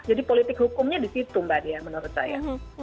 jadi politik hukumnya di situ mbak nia menurut saya